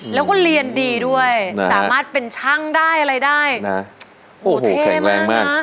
แล้วก็เรียนดีด้วยสามารถเป็นช่างได้อะไรได้นะโอ้โหเท่มาก